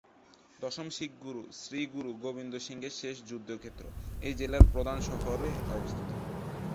দশম শিখ গুরু, শ্রী গুরু গোবিন্দ সিংহের শেষ যুদ্ধক্ষেত্র, এই জেলার প্রধান শহরে অবস্থিত।